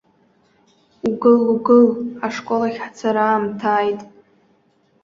Угыл угыл, ашкол ахь ҳцара аамҭа ааит!